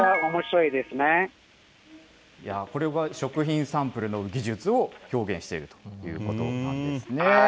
いやぁ、これは食品サンプルの技術を表現しているということなんですね。